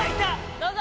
・どうぞ！